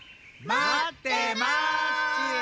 まってますっち！